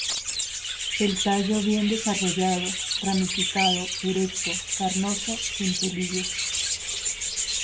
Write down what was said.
El tallo bien desarrollado, ramificado, erecto, carnoso, sin pelillos.